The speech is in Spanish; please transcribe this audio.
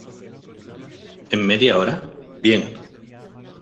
¿ en media hora? bien.